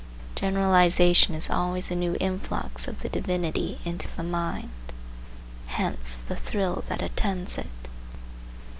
Generalization is always a new influx of the divinity into the mind. Hence the thrill that attends it.